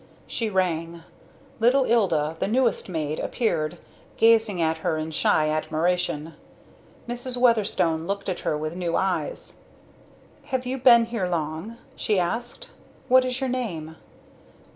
She rang. Little Ilda, the newest maid, appeared, gazing at her in shy admiration. Mrs. Weatherstone looked at her with new eyes. "Have you been here long?" she asked. "What is your name?"